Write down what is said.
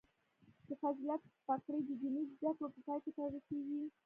د فضیلت پګړۍ د دیني زده کړو په پای کې تړل کیږي.